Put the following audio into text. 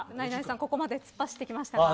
ここまで突っ走ってきましたが。